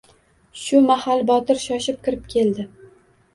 Shu mahal Botir shoshib kirib keldi